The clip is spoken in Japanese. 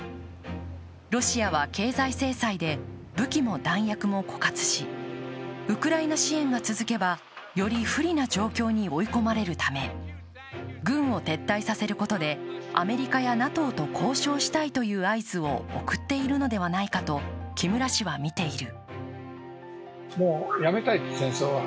ロシアは経済制裁で武器も弾薬も枯渇しウクライナ支援が続けばより不利な状況に追い込まれるため、軍を撤退させることでアメリカやＮＡＴＯと交渉したいという合図を送っているのではないかと木村氏は見ている。